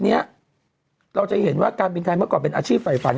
เนี่ยเราจะเห็นกับเมื่อก่อนเป็นอาชีพใฝ่ฝัน